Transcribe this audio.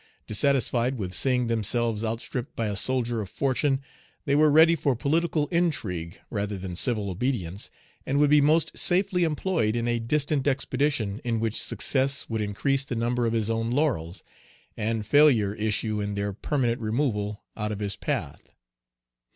Dissatisfied with seeing themselves outstripped by a soldier of fortune, Page 146 they were ready for political intrigue rather than civil obedience, and would be most safely employed in a distant expedition in which success would increase the number of his own laurels, and failure issue in their permanent removal out of his path.